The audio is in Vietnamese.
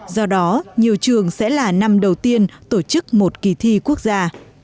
do đó nhiều trường sẽ là năm đầu tiên tổ chức một kỳ thi quốc gia